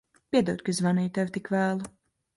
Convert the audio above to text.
Piedod, ka zvanīju tev tik vēlu.